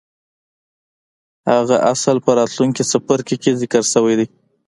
هغه اصل په راتلونکي څپرکي کې ذکر شوی دی.